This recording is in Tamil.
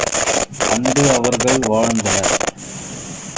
அன்று அவர்கள் வாழ்ந்தனர்.